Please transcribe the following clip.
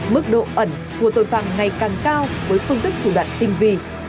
mức độ ẩn của tội phạm ngày càng cao với phương thức thủ đoạn tinh vi